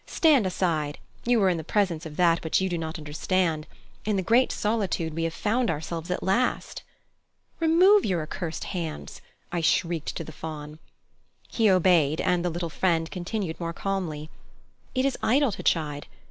"Stand aside. You are in the presence of that which you do not understand. In the great solitude we have found ourselves at last." "Remove your accursed hands!" I shrieked to the Faun. He obeyed and the little friend continued more calmly: "It is idle to chide.